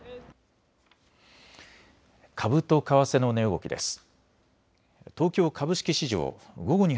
株と為替の値動きです。